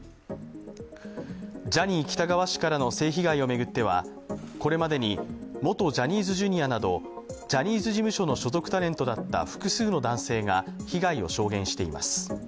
ジャニー喜多川氏からの性を巡っては、これまでに元ジャニーズＪｒ．などジャニーズ事務所の所属タレントだった複数の男性が被害を証言しています。